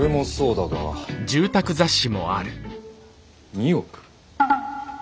２億？